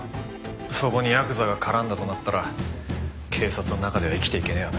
そこにヤクザが絡んだとなったら警察の中では生きていけないわな。